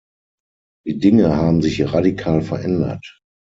Die Dinge haben sich radikal verändert.